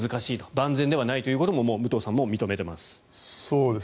万全ではないということを武藤さんも認めています。